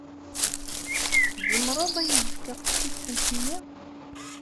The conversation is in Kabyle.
Tzemreḍ ad iyi-d-tefkeḍ tisent-nni?